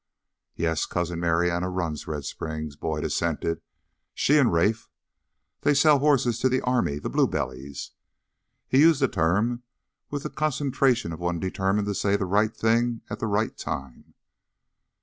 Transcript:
"Yes, Cousin Marianna runs Red Springs," Boyd assented, "she and Rafe. They sell horses to the army the blue bellies." He used the term with the concentration of one determined to say the right thing at the right time.